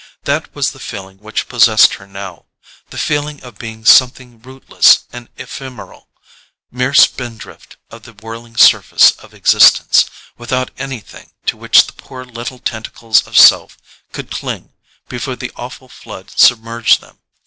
That was the feeling which possessed her now—the feeling of being something rootless and ephemeral, mere spin drift of the whirling surface of existence, without anything to which the poor little tentacles of self could cling before the awful flood submerged them.